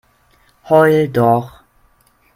Heul doch!